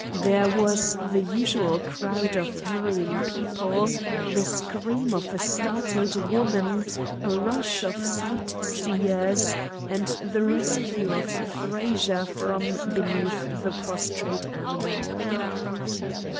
There was the usual crowd of hurrying people; the scream of a startled woman; a rush of sightseers; and the rescue of Frazer from beneath the prostrate animal.